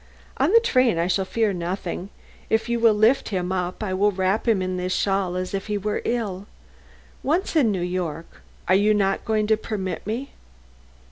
On the train I shall fear nothing. If you will lift him up I will wrap him in this shawl as if he were ill. Once in New York are you not going to permit me?"